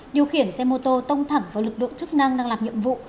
điều khiển xe mô tô tông thẳng vào lực lượng chức năng đang làm nhiệm vụ